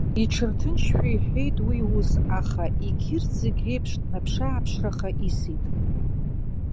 Иҽырҭынчшәа иҳәеит уи ус, аха, егьырҭ зегь реиԥш, наԥш-ааԥшраха исит.